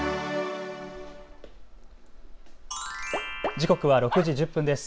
時刻は６時１０分です。